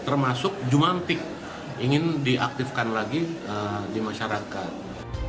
termasuk jumantik ingin diaktifkan lagi di masyarakat